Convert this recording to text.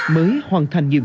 mới hoàn thành nhiều chuyện